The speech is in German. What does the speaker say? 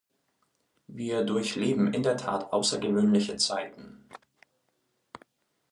Wir durchleben in der Tat außergewöhnliche Zeiten.